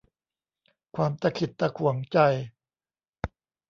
ความตะขิดตะขวงใจ